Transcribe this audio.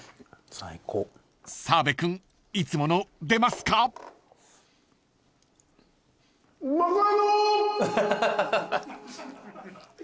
［澤部君いつもの出ますか？］出た。